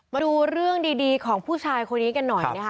มาดูเรื่องดีของผู้ชายคนนี้กันหน่อยนะคะ